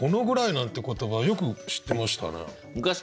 「仄暗い」なんて言葉よく知ってましたね。